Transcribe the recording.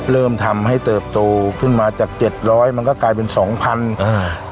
เริ่มทำให้เติบโตขึ้นมาจากเจ็ดร้อยมันก็กลายเป็นสองพันอ่า